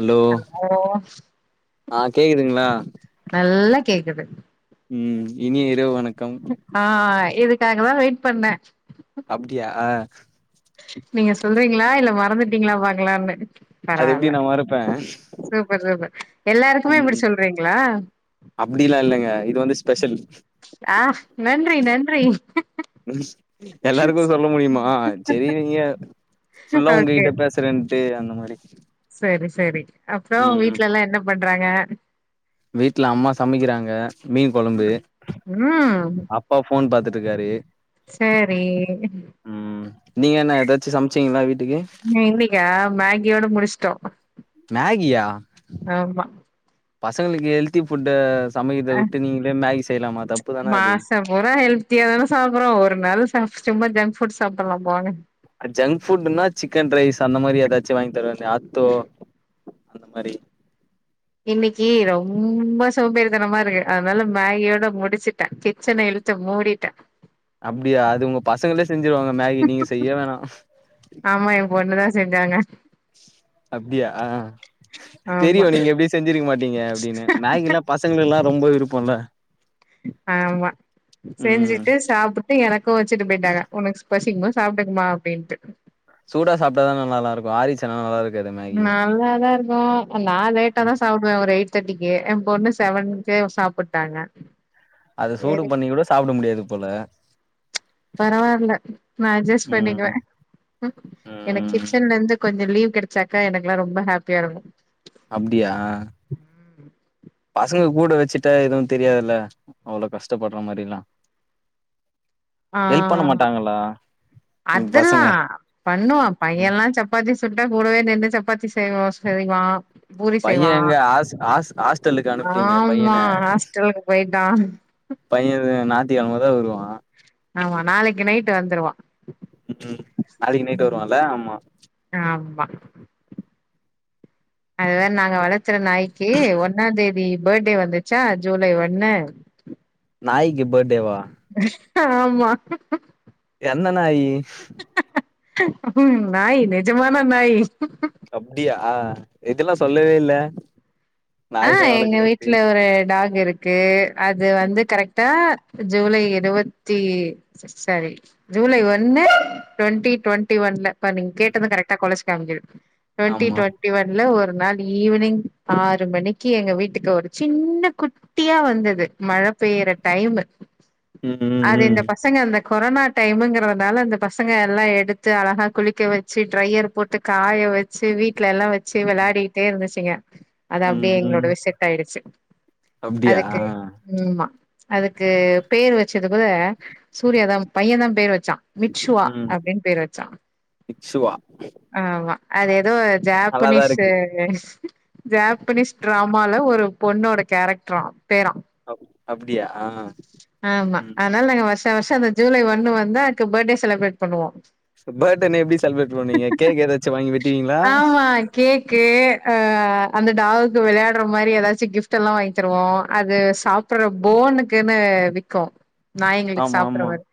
Allow hello அ கேக்குதுங்ளா நல்லா கேக்குது ம் இனிய இரவு வணக்கம் அ இதுக்காக தா வெயிட் பண்ண அப்டியா நீங்க சொல்றீங்களா இல்ல மறந்துட்டீங்ளா பாக்கலான்னு அது எப்டி பரவால்ல நா மறப்ப சூப்பர் சூப்பர் எல்லாருக்குமே இப்டி சொல்றீங்களா அப்டிலா இல்லங்க இது வந்து ஸ்பெஷல் அ நன்றி நன்றி எல்லாருக்குமே சொல்ல முடியுமா செரி நீங்க ஃபுல்லா ஒங்ககிட்ட பேச றன்ட்டு அந்த மாரி செரி செரி அப்றோ ம் வீட்லெல்லா என்ன பண்றாங்க வீட்ல அம்மா சமைக்கிறாங்க மீன் கொழம்பு ம் அப் பா ஃபோன் பாத்துட்ருக்காரு செரி ம் நீங்க என்ன ஏதாச்சு சமச்சீங்ளா வீட்டுக்கு இன்னிக்கா மேகியோட முடிச்சிட்டோ மேகியா பசங்களுக்கு ஹெல்த்தி ஃபுட்ட சமைக்கறதவுட்டு நீங்களே மேகி செய்யலாமா தப்பு தான அது மாச பூரா ஹெல்த்த்தியாதான சாப்பறோ ஒரு நாள் சாப் சும்மா ஜங்க்ஃபுட் சாப்புல்லா போங்க ஜங்க் ஃபுட்டுன்னா சிக்கன் ரைஸ் அந்த மாரி ஏதாச்சு வாங்கி தரவேண்டி அத்தோ அந்த மாரி இன்னிக்கு ரொம்ப சோம்பேரித்தனமா இருக்கு அதனால மேகியோட முடிச்சுட்ட கிச்சன இழு த்து மூடிட்ட அப்டியா அது உங்க பசங்களே செஞ்சிருவாங்க மேகி நீங்க செய்ய வேணா ஆமா எ பொண்ணுதா செஞ்சாங்க அப்டியா ஆமா தெரியு நீங்க எப்டியு செஞ்சிருக்க மாட்டீங்க அப்டினு மேகிலா ப சங்களுக்குலா ரொம்ப விருப்போல்ல ஆமா ம் செஞ்சுட்டு சாப்புட் டு எனக்கு வச்சுட்டு போயிட்டாங்க ஒனக்கு பசிக்கும்போ சாப்ட்டுக்மா அப்டின்ட்டு சூடா சாப்ட்டாதான ந நல்லாருக்கு ஆரிச் சுனா நல்லருக்காது எதுமே நல்லாதா இருக்கு நா லேட்டாதா சாப் டுவ ஒரு எயிட் தேட்டிக்கி எ பொண்ணு செவனுக்கே சாப்புட்டாங்க அத சூடு சரி பண்ணி கூட சாப்ட முடியாது போல பரவால்ல நா அட்ஜஸ் பண்ணிக்குவ ம் எனக் ம் கிச்சன்லந்து கொஞ்சோ லீவ் கெடச்சாக்க எனக்குலா ரொம்ப ஹேப்பியா இருக்கு அப்டியா பசங்க கூட வச்சிட்டா எதுவு தெரியாதுல்ல அவ்ளோ கஷ்ட்டபட்ற மாரில்லா ஆ மாட்டாங்களா உங்க அதல்லா பசங்க பண்ணுவா பையன்ல்லா சப்பாத்தி சுட்டா கூடவே நின்னு சப்பாத்தி செய்வோ செய்வா பூரி பைய செய்வா எங்க ஹாஸ் ஹாஸ் ஹாஸ்டலுக்கு அனுப்பிட்டீங்க பையன ஆமா ஹாஸ்டலுக்கு போயிட்டா பையன் து ஞாயித்துகெழமதா வருவா ஆமா நாளைக்கு நைட்டு வந்துருவா ம் நாளைக்கு நைட் ம் வருவான்ல ஆமா ஆமா அது வேற நாங்க வளத்துற நாய்க்கு ஒன்னாந் தேதி பேர்டே வந்துச்சா ஜூலை ஒண்ணு நாய்க்கு பேர்டேவா ஆமா என்ன நாயி ம் நாய் நெஜமான நாய் அப்டியா இதல்லா சொல்லவே இல்ல ஆ நாய்லா எங்க வளக்குறேன்ட்டு வீட்ல ஒரு டாக் இருக்கு அது வந்து கரெக்டா ஜூலை இருவத்தி சாரி ஜூலை ஒன்னு டொண்ட்டி டொண்ட்டி ஒன்ல பாரு நீங்க ம் கேட்டது கரெக்டா கொலச்சு காமிக்குது டொண்ட்டி ஆமா டொண்ட்டி ஒன்ல ஒரு நாள் ஈவினிங் ஆறு மணிக்கு எங்க வீட்டுக்கு ஒரு சின்ன குட் குட்டியா வந்தது மழ பெய்யற டைமு ம் ம் அது இந்த ம் பசங்க அந்த கொரோனா டைமுங்கறதுனால அந்த பசங்க எல்லா எடுத்து அழகா குளிக்க வ ச்சு ட்ரையர் போட்டு காய வச்சு வீட்டல எல்லா வச்சு வெளாடிக்கிட்டே இருந்துச்சுங்க அது ம் அப்படியே ம் எங்களோடவே செட் ஆயிடுச்சு அப்டியா அதுக்கு ம் மா அதுக்கு பேர் வச்சது கூட சூர்யாதா பையன் தா பேர் வச்சா மிச்ஷுவா ம் அப்டின்னு பேர் வச்சா இக்ஷுவா ஆமா அது எதோ நல்லாதா ஜாப்பனீஸ்ஸு இருக்கு ஜாப்பனீஸ் ட்ராமால ஒரு பொண்ணோட கேரக்டரான் பேரான் அப் அப்டியா ஆமா ம் அதனால நாங்க வருஷோம் வருஷம் அந்த ஜூலை ஒண்ணு வந்தா அதுக்கு பேர்டே செலப்பிரேட் பண்ணுவோம் பேர்டேனா எப்டி செலப்பிரேட் பண்ணுவீங்க கேக் ஏதாச்சும் வாங்கி வெட்டுவீங்களா ஆமா கேக்கு ஆ அந்த டாகுக்கு வெளையாடுற மாரி ஏதாச்சும் கிஃப்ட் எல்லாம் வாங்கி தருவோம் அது சாப் அப்புறோம் போனுக்குன்னு விக்கும் நாய்ங்களுக்கு ஆமா சாப்புடுற ஆமா மாரி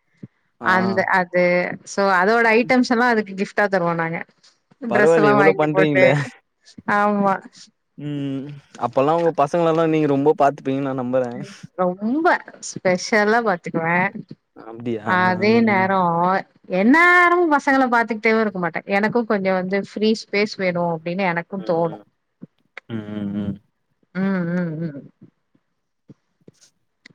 ஆ அந்த அது அது சோ அதோட ஐட்டம்ஸ் எல்லாம் அதுக்கு கிஃப்ட் டா தருவோம் நாங்க ட்ரெஸ் பரவாயில்ல எல்லாம் இவ்ளோ வாங்கி போட்டு பண்றீங்களே ஆமா ம் அப்ப எல்லாம் உங்க பசங்களலாம் நீங்க ரொம்ப பாத்துப்பீங்கன்னு நான் நம்புறன் ரொம்ப ஸ்பெஷல்லா பாத்துக்குவேன் அப்டியா அதே ம் நேரோம் என்நேரமும் பசங்கள பாத்துக்கிட்டேவும் இருக்க மாட்டன் எனக்கும் கொஞ்சம் வந்து ஃப்ரீ ஸ்பேஸ் வேணும் அப்டின்னு எனக்கு ம் தோனும் ம் ம் ம் ம் ம் ம்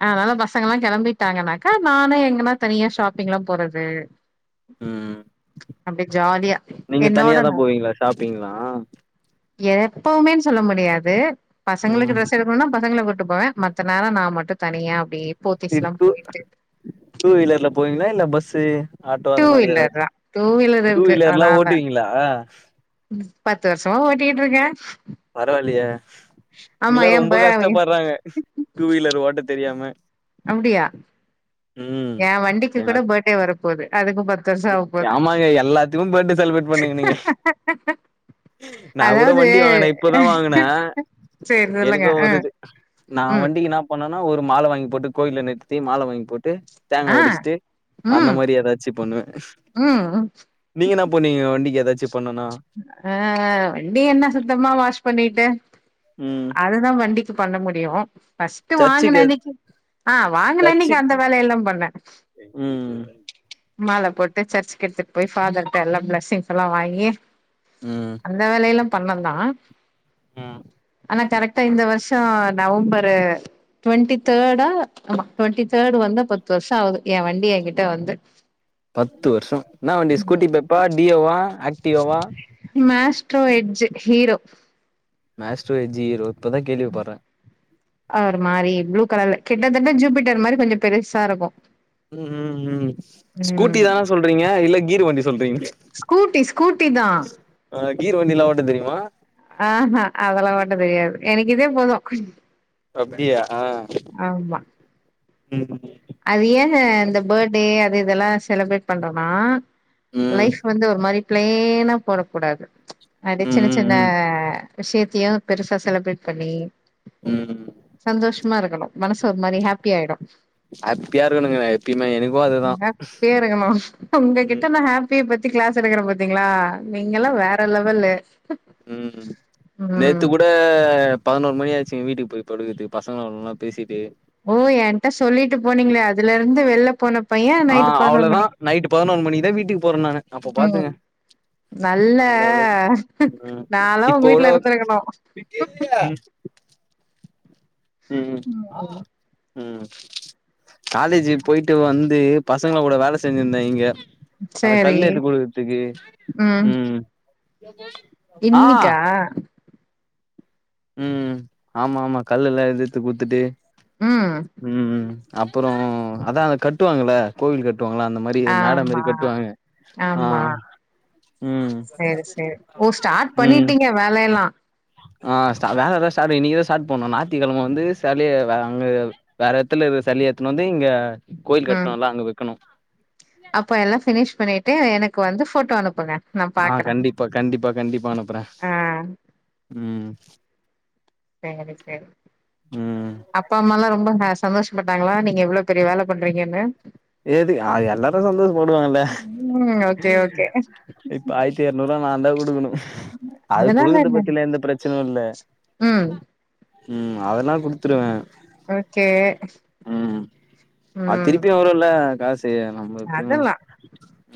அதனால பசங்கலாம் கெளம்பிட்டாங்கனாக்கா நானு எங்கன்னா தனியா ஷாப்பிங்லாம் போறது ம் அப்டி ஜாலியா நீங்க என்னோட தனியாதா நான் போவீங்களா ஷாப்பிங்லா எப்பவுமேன்னு சொல்ல முடியாது பசங்களுக்கு ம் டெரஸ் எடு போனும்னா பசங்கள கூப்ட்டு போவேன் மத்த நேரம் நான் மட்டும் தனியா அப்டியே இ போத்திஸ்லாம் டூ போயிட்டு டூ வீலர்ல போவீங்களா இல்ல பஸ்சு ஆட்டோ டூ அந்த மாரி வீலர் ஏதாச்சு தா டூ வீலர் டூ இருக்கு வீலர்லாம் அதனால ஓட்டுவீங்களா பத்து வருஷோம் ஓட்டிட்டு இருக்கேன் பரவாலீயே இங்கலாம் ப ரொம்ப கஷ்டப்படுறாங்க டூ வீலர் ஓட்ட தெரியாம அப்டியா ம் என் வண்டிக்கு எங்க கூட அக் பேட்ர்டே வரப்போது அதுக்கு பர் ஆமாங்க எல்லாத்துக்கும் பேர்த்டே செலிப்ரேட் பண்ணுங்க நீங்க நா கூட அதாவது வண்டி வாங்குனன் இப்பதான் வாங்குன சேரி சொல்லுங்க எனக்கோ ஆ வருது நான் ம் வண்டிக்குன்னா பன்னன்னா ஒரு மால வாங்கி போட்டு கோயில்ல நிறுத்தி மால வாங்கி போட்டு போயிட்டு ஆ தேங்கா ஒடச்சிட்டு அந்த ம் மாரி ஏதாச்சும் பண்ணுவேன் ம் நீங்க என்னா பண்ணுவிங்க வண்டிக்கு ஏதாச்சும் பண்ணும்னா அ வண்டி என்ன சுத்தமா வாஷ் பண்ணிட்டு ம் அதுதான் வண்டிக்கி பண்ண முடியும் ஃபஸ்ட்டு வாங்குன சர்ச்சுக்கு அன்னக்கி அ வாங்குன அன்னக்கி அந்த சர்ச்சுக்கு வேலையெல்லாம் பண்ணன் ம் மால போட்டு சர்ச்சுக் எடுத்துட் போய் ஃபாதர்ட்டெல்லா ப்ளெஸ்ஸிங்ஸெல்லா வாங்கி ம் அந்த வேலையெல்லாம் பண்ணந்தான் ஆனா கரெக்ட்டா இந்த வருஷம் நவம்பரு ட்வெண்ட்டி தேர்டா ஆமா ட்வெண்ட்டி தேர்டு வந்தா பத்து வருஷம் ஆவுது என் வண்டி என்கிட்ட வந்து பத்து வருஷோம் என்ன வண்டி ஸ்கூட்டி பெப்பா டியோவா ஆக்டிவாவா Maestro Edge Hero Maestro எஜ்ஜி Hero இப்பதான் கேள்வி பறன் அவரு மாரி ப்ளூ கலர்ல கிட்டத்தட்ட ஜூபிட்டர் மாரி கொஞ்சம் பெருசாருக்கும் ம் ம் ம் ஸ்கூட்டிதான சொல்றீங்க இல்ல கீர் வண்டி சொல்றீங் ஸ்கூட்டி ஸ்கூட்டிதான் அ கீர் வண்டில்லா ஓட்ட தெரியுமா அ‌ அ அதெல்லா ஓட்ட தெரியாது எனக்கு இதே போதும் அப்டியா ம் ம் அது ஏங்க இந்த பேட்டே அது இதெல்லா செலுப்ரேட் பண்றோனா ம் லைஃப் வந்து ஒரு மாரி ப்ளேனா போறக்கூடாது அப்டி சின்ன ம் சின்ன ம் விஷ்யத்தையு பெருசா செலப்ரேட் பண்ணி ம் சந்தோஷ் மா இருக்கணு மனசு ஒரு மாரி ஹேப்பியாய்டு ஹேப்பியா இருக்கணுங்க நா எப்பயுமே எனக்கு அதுதா இப்ப நம்மோ ம் உங்ககிட்ட நான் ஹேப்பிய பத்தி கிளாஸ் எடுக்குற பாத்தீங்ளா நீங்கல்லா வேற லெவலு ம் நேத்து கூட பதுனோரு மணியாச்சுங்க வீட்டுக் போய் படுக்கத்துக்கு பசங்களோல்லா பேசிட்டு ஓ என்ட்டா சொல்லிட்டு போனீங்ளே அதுலருந்து வெள்ல போன பைய ஆ நைட்டு பதினோரு அவுளதா மணிக்கு நைட்டு பதுனோன் மணிக்குதா வீட்டுக்கு போறன் நானு அப்ப பாத்துங்க ம் நல்ல அந்தளகு ம் நாலா இப்ப உங்க கூட வீட்ல இருந்திருக்கணு ம் ம் ம் காலேஜு போய்ட்டு வந் து பசங்க கூட வேல செஞ்சிர்ந்த இங்க அந்த சரி கல்ல எட்டு போய் குட்த்துக்கு ம் ம் இன்னிக்கா ம் ம் ஆமாம்மா கல்லெல்லா எடுத்து குட்த்துட்டு ம் ம் ம் அப்புறோ அதா அத கட்டுவாங்கள கோவில் கட்டுவாங்கள அந்த மா ரி மேட ஆமா, மாரி கட்டுவாங்க ஆ ஆமா. ம் சரி, சரி. ஓ! ஸ்டார்ட் ம் பண்ணிட்டீங்க வேலையெல்லாம். அ ஸ்டா வேலதா ஸ்டாட்டு இன்னிக்கிதா ஸ்டாட் பண்ணோ நாய்த்தி கெழம வந்து சலயே வ அங்க வேற எட்த்துல இருக்குற செலய எட்த்துண் வந்து இங்க கோயில் கட்ணோல்ல அங்க வக்கணு அப்போ எல்லா ஃபினிஷ் பண்ணிட்டு எனக்கு வந்து ஃபோட்டோ அனுப்புங்க நான் ஆ பாக்குறேன். கண்டிப்பா கண்டிப்பா கண்டிப்பா அனுப்புற ஆ ம் சேரி சேரி ம் அப்பா அம்மாலா ரொம்ப ஹே சந்தோஷுபட்டாங்களா நீங்க இவுளோ பெரிய வேல பண்றீங்கனு எதுக் ஆ எல்லாரு சந்தோஷு படுவாங்கல்ல ம். Okay, okay. இப்ப ஆய்ர்த்து எர்நூருவா நாந்தா குடுக்குணு அது அதனால குடுக்குற்து என்ன? பத்திலா எந்த பிரச்சனு இல்ல ம். ம் அதல்லா குடுத்துருவ ஓகே ம் குல்ல காசு நமக்கூ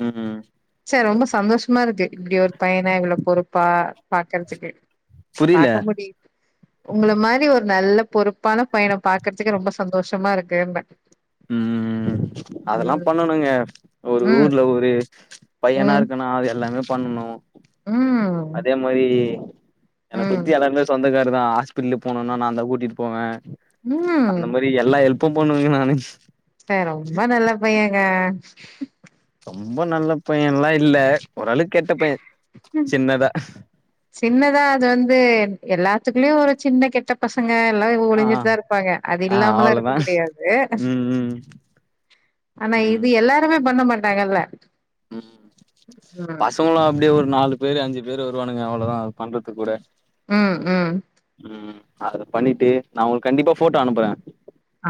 ம் ம் ச்ச ரொம்ப சந்தோஷ்மா இருக்கு இப்டி ஒரு பையன இவுளோ பொறுப்பா பாக்கறதுக்கு புரில பாக்கமுடி உங்கள மாரி ஒரு நல்ல பொறுப்பான பையன பாக்கற்துக்கு ரொம்ப சந்தோஷமா இருக்குன்ப ம் அதல்லா பண்ணணுங்க ஒரு ம் ஊர்ல ஒரு பையனா ம் இருக்கணா அது எல்லாமே பண்ணணு ம் அதே மாரி என்ன ம் சுத்தி ஆளுங்க சொந்தக்கார்தா ஹாஸ்பிட்லு போனுனா நான்தா கூட்டிட்டு போவ ம் இப்டி எல்லா ஹெல்ப்பு பண்ணுவங்க நானு ச ரொம்ப நல்ல பையங்க ரொம்ப நல்ல பையன்ல்லா இல்ல ஓரளவுக்கு கெட்ட பைய சின்னதா சின்னதா அது வந்து எல்லாத்துக்குள்ளயு ஒரு சின்ன கெட்ட பசங்க எல்லா ஆ ஒழிஞ்சிட்டு தா இருப்பாங்க அது ஆ இல்லாமல்லா இருக்க அவ்ளோதான் முடியாது ம் ம் ஆனா ம் இது எல்லாருமே பண்ண மாட்டாங்கல்ல ம் ம் பசங்களு அப்டியே ஒரு நாலு பேரு அஞ்சு பேரு வருவானுங்க அவ்ளோதா பண்றத் கூட ம் ம் ம் அத பண்ணிட்டு நா உங்ளுக்கு கண்டிப்பா ஃபோட்டோ அனுப்புறே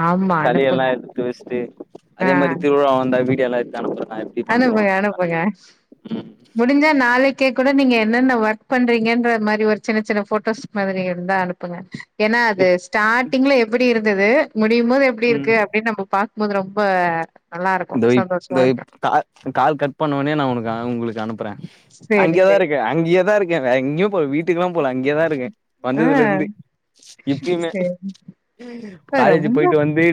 ஆமா சளி எல்லா அனுப்புங்க எடுத்து வச்ட்டு ஆ அதே மாதிரி திருவிழா வந்தா வீடியோ எல்லா எட்த்து அனுப்புற அனுப்புங்க அனுப்புங்க முடிஞ்சா நாளைக்கே கூட நீங்க என்னென்ன ஒர்க் பண்றீங்கன்ற மாரி ஒரு சின்ன சின்ன போட்டோஸ் மாதிரி இருந்தா அனுப்புங்க ஏனா அது இப் ஸ்டார்ட்டிங்ல எப்டி இருந்தது முடியும்போது எப்டி ம் இருக்கு அப்டின்னு நம்ம பாக் ரொம்ப ரொம்ப நல்லா இருக்கு இதோ இப் சந்தோஷமா இதோ இப் இருக்கு கா கால் கட் பண்ணோனே நா உனக்கு உங்களுக்கு அனுப்புறே சேரி அங்கேய தா சேரி இருக்கே அங்கேயேதா இருக்கே வேற எங்கயு ப்போ வீட்டுக்குல்லா போல அங்கேயேதா இருக்கே ஆ வந்ததுல இருந்து இப்பியுமே சேரி இப்ப காலேஜ் ரொம்ப போயிட்டு வந்து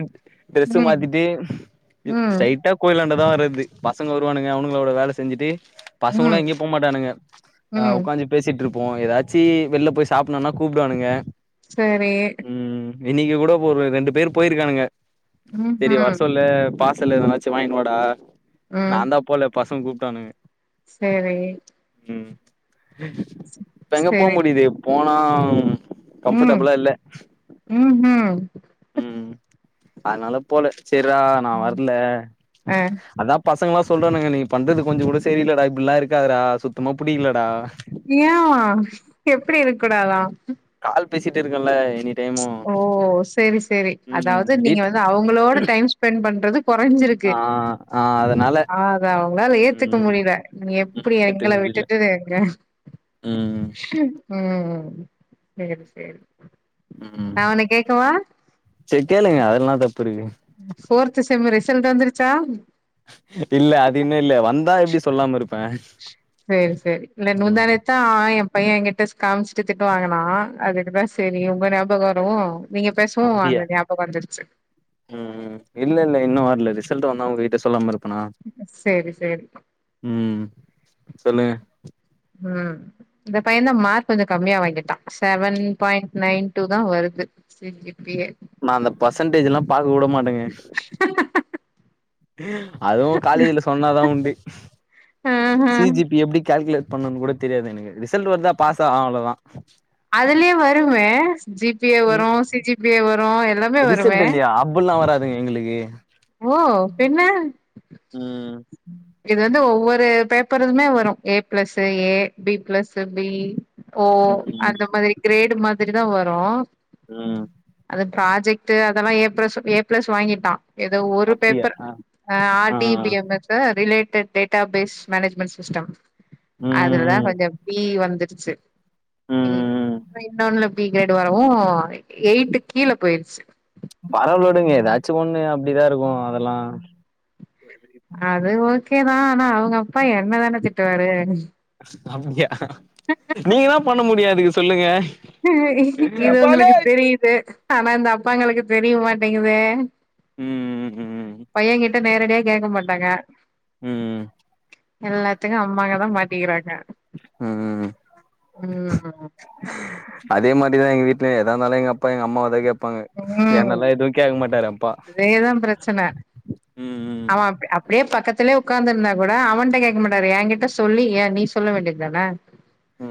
ட்ரெஸ்ஸு ம் மாத்திட்டு ம் ஸ்ட்ரைட்டா கோயிலாண்டதா வர்ரது பசங்க வருவானுங்க அவனுங்களோட வேல செஞ்சுட்டு பசங்களு ம் எங்கயு போ மாட்டானுங்க அ ம் உக்காஞ்சி பேசிட்டு இருப்போ எதாச்சு வெல்ல போய் சாப்பின்னுனா கூப்டுவானுங்க சரி ம் இன்னிக்கு கூட ஒரு ரெண்டு பேர் போயிருக்கானுங்க சரி ம்ஹும் வரசொல்லு செல்லு எதனாச்சு வாங்னு வாடா நாதா போல பசங்க கூப்ட்டானுங்க சேரி ம் இப்ப எங்க போ சரி முடியுது போனா கம்ஃபோர்டபிளா இல்ல ம் ம் ம் அதனால போல சேர்ரா நா வரல அ அதா பசங்கல்லா சொல்றானுங்க நீ பண்றது கொஞ்சோ கூட சரியில்லடா இப்டில்லா இருக்காதடா சுத்தமா புடிக்கிலடா ஏ யா எப்டி இருக்கூடாதா கால் பேசிட்டு இருக்கெல்ல எனி டைமு ஓ சேரி சேரி ம் அதாவுது நீங்க வீட் வந்து அவுங்களோட டைம் ஸ்பெண்ட் பண்றது குறைஞ்சிருக்கு ஆ ஆ அதனால அத அவுங்களால ஏத்துக்க ம் முடியல நீ ம் எப்டி ஏத்துக்க எங்கள முடியல விட்டு [unintelligible] ம் ம் சேரி சேரி ம் நா ஒன்னு கேக்கவா சேரி கேளுங்க அதுல என்ன தப்புருக்கு ஃபோர்த்து செம்மு ரிசல்ட் வந்துருச்சா இல்ல அது இன்னு இல்ல வந்தா எப்டி சொல்லாமருப் சேரி சேரி இல்ல ம் நுந்தானேத் த்தா ஏ பைய எங்கிட்ட காமிச்ட்டு திட்டு வாங்குனா அதுக்குதா சேரி உங்க ஞாபகோ வரவு நீங்க பேசவு அப்டியா அது ஞாபகோ வந்துருச்சு ம் ம் இல்லல்ல இன்னு வரல ரிசல்ட் வந்தா உங்ககிட்ட சொல்லாம இருப்பனா சேரி சேரி ம் சொல்லுங்க ம் இந்த பையந்தா மார்க் கொஞ்ச கம்மியா வாங்கிட்டா செவன் பாயிண்ட் நைன் டூதா வருது சேரி இப்பயே நா அந்த பர்சன்டேஜல்லா பாக்க கூட மாட்டங்க அதுவு காலேஜ்ல சொன்னாதா உண்டு ஆஹ சிஜிபி எப்டி கால்குலேட் பண்ணனுங் கூட தெரியாது எனக்கு ரிசல்ட் வருதா பாஸா ஆ அவ்ளோதா அதுலயே வருமே ஜிபியே வரு சிஜிபியே வரு எல்லாம் ரிசல்ட்டுல்லயா அப்புல்லா வராதுங்க எங்குளுக்கு ஓ பின்ன ம் இது வந்து ஒவ்வொரு பேப்பருதுமே வரும் A plus A B plus B O ம் அந்த மாதிரி கிரேடு மாதிரிதா வரு ம் அது ப்ராஜெக்ட்டு அதல்லா ஏ ப்ளஸ் ஏ ப்ளஸ் வாங்கிட்டா எதோ ஒரு அப்டியா பேப்பர் ஆ அ ஆர் ஆ டி பி எம் எஸ்ஸா related database management system அதுலதா ம் ம் கொஞ்ச பி வந்துருச்சு பி ம் இப்ப இன்னோன் னுல்ல பி கிரேடு வரவு எய்ட்டு கீழ போய்ர்ச்சு பரவால்ல விடுங்க எதாச்சு ஒன்னு அப்டிதா இருக்கு அதல்லா அது ஓகேதா ஆனா அவுங்க அப்பா என்னதான திட்டுவாரு அப்டியா நீங்க என்ன பண்ண முடியு அதுக்கு சொல்லுங்க இது உங்களுக்கு தெரியுது ஆனா இந்த அப்பாங்களுக்கு தெரிய மாட்டேங்குதே ம் ம் பையங்கிட்ட நேரடியா கேக்க மாட்டாங்க ம் ம் எல்லாத்துக்கு அம்மாங்கதா மாட்டிகிறாங்க ம் ம் ம் ம் ஆ ஆ அதே மாரிதா எங்க வீட்லயு எதாருந்தாலு எங்க அப்பா எங்க அம்மாவதா கேப் ப்பாங்க ம் என்னல்லா எதுவு கேக்க மாட்டாரு அப்பா ம் ம் அவன் அப்டி அப் ப்டியே பக்கத்துலே ஒக்காந்துருந்தா கூட அவன்ட்ட கேக்க மாட்டாரு ஏங்கிட்ட சொல்லி ஏ நீ சொல்ல வேண்டிய தான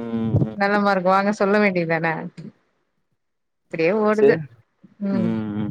ம் ம் நல்ல மார்க் வாங்க சொல்ல வேண்டிய தான இப்டியே சேரி ஓடுது ம் ம்